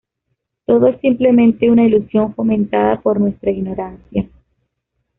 Todo es simplemente una ilusión fomentada por nuestra ignorancia.